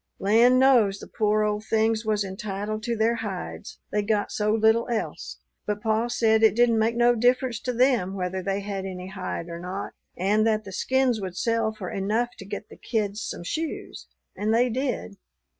Land knows the pore old things was entitled to their hides, they got so little else; but pa said it didn't make no difference to them whether they had any hide or not, and that the skins would sell for enough to get the kids some shoes. And they did.